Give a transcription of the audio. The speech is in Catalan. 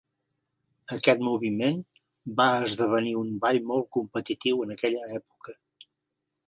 Aquest moviment va esdevenir un ball molt competitiu en aquella època.